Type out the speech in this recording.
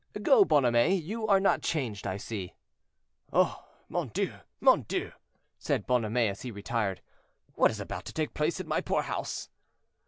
"Go, Bonhomet; you are not changed, I see." "Oh! mon Dieu! mon Dieu!" said Bonhomet, as he retired, "what is about to take place in my poor house?"